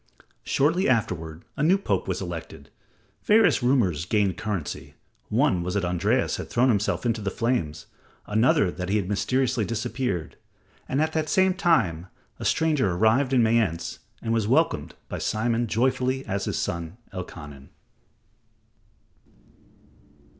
Shortly afterward, a new Pope was elected. Various rumors gained currency. One was that Andreas had thrown himself into the flames; another that he had mysteriously disappeared. And at the same time a stranger arrived in Mayence and was welcomed by Simon joyfully as his son, Elkanan.